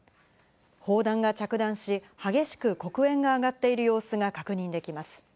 砲弾が着弾し、激しく黒煙が上がっている様子が確認できます。